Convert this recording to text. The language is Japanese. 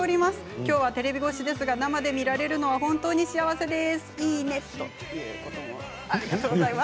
きょうはテレビ越しですが生で見られるの本当に幸せです。